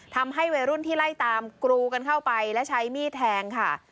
ทำให้วัยรุ่นที่ไล่ตามกรูกันเข้าไปและใช้มีดแทงค่ะ